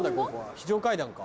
非常階段か。